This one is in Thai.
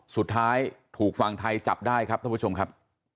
สุดท้ายถูกฝั่งไทยจับได้ครับท่านผู้ชมครับ